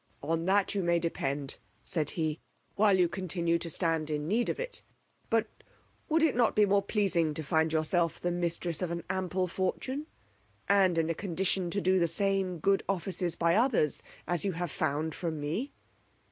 On that you may depend, said he, while you continue to stand in need of it. But would it not be more pleasing to find yourself the mistress of an ample fortune, and in a condition to do the same good offices by others as you have found from me?